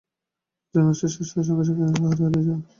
জন্মোৎসব শেষ হবার সঙ্গে সঙ্গে আমি পাহাড়ে পালিয়ে যাব।